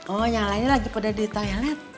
oh yang lainnya lagi pada di toilet